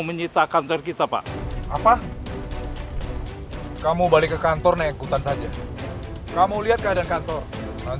pasti anak buahnya berdosa